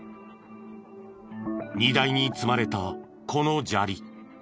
荷台に積まれたこの砂利。